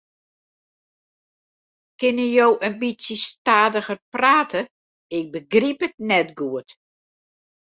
Kinne jo in bytsje stadiger prate, ik begryp it net goed.